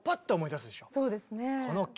そうですね。